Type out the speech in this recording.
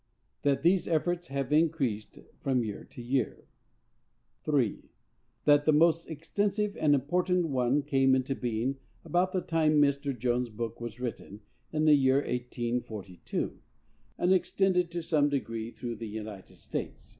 That these efforts have increased, from year to year. 3. That the most extensive and important one came into being about the time that Mr. Jones' book was written, in the year 1842, and extended to some degree through the United States.